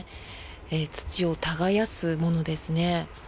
土を耕すものですね。